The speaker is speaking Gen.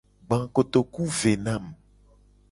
Gba kotoku ve na mu.